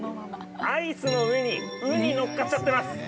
アイスの上にウニ載っかっちゃってます。